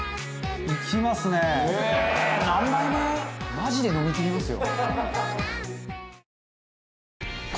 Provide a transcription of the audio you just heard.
「マジで飲みきりますよ」